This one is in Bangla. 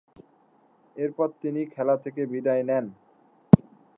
এরপর তিনি খেলা থেকে বিদায় নেন।